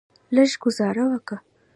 لږه ګوزاره وکه.